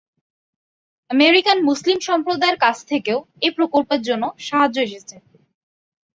American-Muslim সম্প্রদায়ের কাছ থেকেও এই প্রকল্পের জন্য সাহায্য এসেছে।